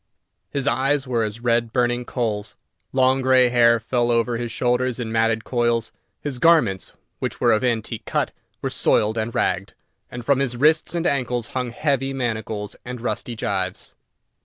His eyes were as red burning coals; long grey hair fell over his shoulders in matted coils; his garments, which were of antique cut, were soiled and ragged, and from his wrists and ankles hung heavy manacles and rusty gyves.